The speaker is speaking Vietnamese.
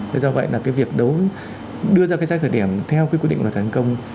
do vậy là cái việc đưa ra cái giá khởi điểm theo quyết định là thành công